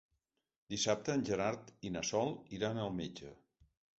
Dissabte en Gerard i na Sol iran al metge.